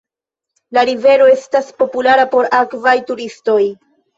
La rivero estas populara por akvaj turistoj.